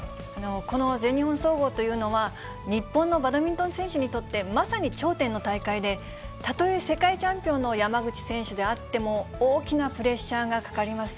この全日本総合というのは、日本のバドミントン選手にとって、まさに頂点の大会で、たとえ世界チャンピオンの山口選手であっても、大きなプレッシャーがかかります。